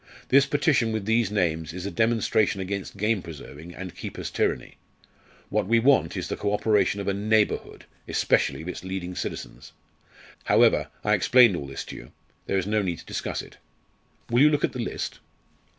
This petition with these names is a demonstration against game preserving and keepers' tyranny. What we want is the co operation of a neighbourhood, especially of its leading citizens. However, I explained all this to you there is no need to discuss it. Will you look at the list?"